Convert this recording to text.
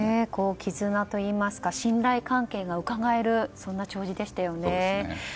絆といいますか信頼関係がうかがえる弔辞でした。